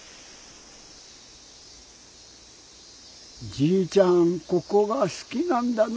じいちゃんここがすきなんだな。